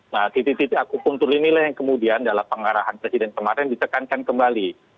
nah titik titik akupuntur ini lah yang kemudian dalam pengarahan presiden kemarin ditekankan kembali